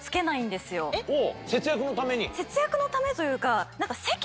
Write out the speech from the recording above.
節約のためというか。